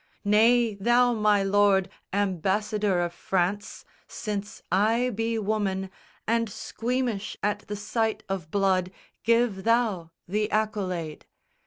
Nay, thou my lord Ambassador of France, since I be woman, And squeamish at the sight of blood, give thou The accolade."